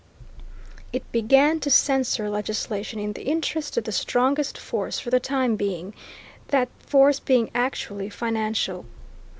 It began to censor legislation in the interest of the strongest force for the time being, that force being actually financial.